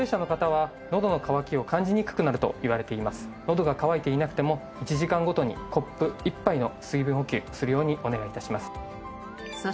のどが渇いていなくても１時間ごとにコップ１杯の水分補給をするようにお願い致します。